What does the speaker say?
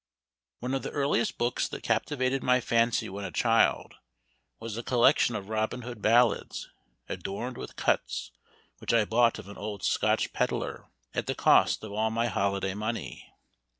One of the earliest books that captivated my fancy when a child, was a collection of Robin Hood ballads, "adorned with cuts," which I bought of an old Scotch pedler, at the cost of all my holiday money.